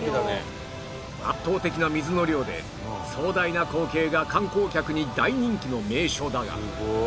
圧倒的な水の量で壮大な光景が観光客に大人気の名所だが